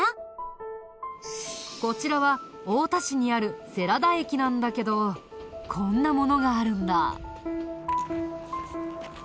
こちらは太田市にある世良田駅なんだけどこんなものがあるんだ。